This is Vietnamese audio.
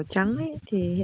với cả chứng minh thư thôi